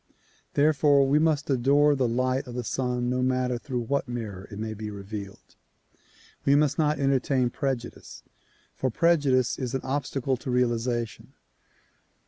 Therefore we must adore the light of the Sun no matter through what mirror it may be revealed. We must not entertain prejudice, for prejudice is an obstacle to realization.